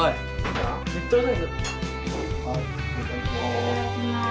いただきます。